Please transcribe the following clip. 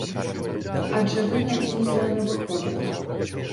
Адже ви на тім зле не виходите!